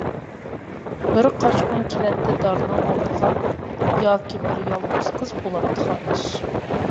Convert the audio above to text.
بىر قاچقۇن كېلەتتى دارنىڭ ئالدىغا، ياكى بىر يالغۇز قىز بولاتتى خانىش.